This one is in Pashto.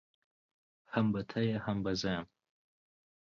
هم به ته يې هم به زه يم.